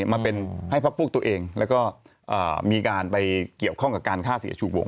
มาเป็นให้พักพวกตัวเองแล้วก็มีการไปเกี่ยวข้องกับการฆ่าเสียชูวง